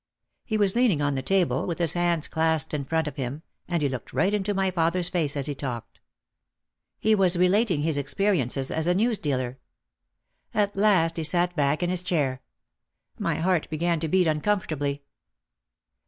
He was leaning on the table with his hands clasped in front of him and he looked right into my father's face as he talked. He was relating his experiences as a news OUT OF THE SHADOW 203 dealer. At last he sat back in his chair. My heart be gan to beat uncomfortably.